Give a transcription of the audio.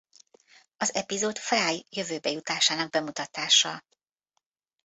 Az epizód Fry jövőbe jutásának bemutatása.